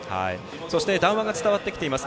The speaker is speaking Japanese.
そして、談話が伝わってきています。